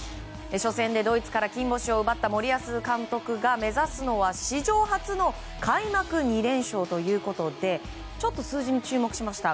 初戦でドイツから金星を奪った森保監督が目指すのは史上初の開幕２連勝ということでちょっと数字に注目しました。